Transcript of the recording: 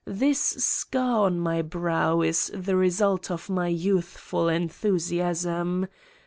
. this scar on my brow is the result of my youthful enthusiasm.